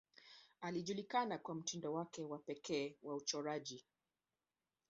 Alijulikana kwa mtindo wake wa kipekee wa uchoraji.